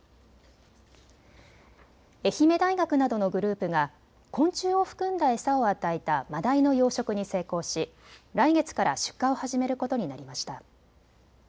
愛媛大学などのグループが昆虫を含んだ餌を与えたマダイの養殖に成功し、来月から出荷を始めることになりました。